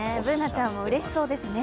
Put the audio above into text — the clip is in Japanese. Ｂｏｏｎａちゃんもうれしそうですね。